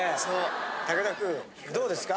武田君どうですか？